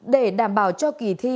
để đảm bảo cho kỳ thi